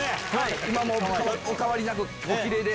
今もお変わりなくおキレイで。